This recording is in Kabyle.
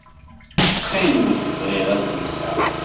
Ttxil-wet bɣiɣ adlis-a.